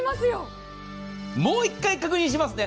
もう一回確認しますね。